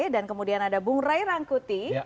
dan kemudian ada bung ray rangkuti